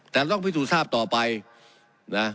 แต่ต้องพิสูจน์ทราบต่อไปนะ